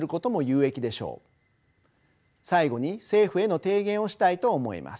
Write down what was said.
最後に政府への提言をしたいと思います。